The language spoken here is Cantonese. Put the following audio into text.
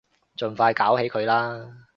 盡快搞起佢啦